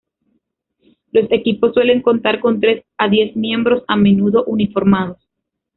Los equipos suelen contar con tres a diez miembros, a menudo uniformados.